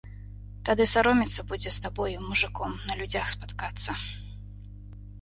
Тады саромецца будзе з табою, мужыком, на людзях спаткацца.